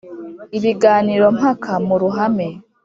ibiganiro mpaka mu ruhame